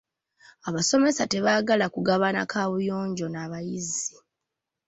Abasomesa tebaagala kugabana kaabuyonjo na bayizi.